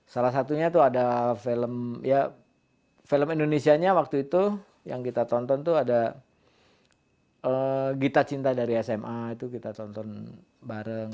salah satunya tuh ada film ya film indonesia nya waktu itu yang kita tonton tuh ada gita cinta dari sma itu kita tonton bareng